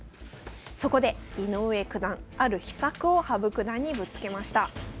そこで井上九段ある秘策を羽生九段にぶつけました。